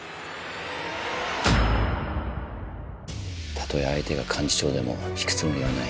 たとえ相手が幹事長でも引くつもりはない。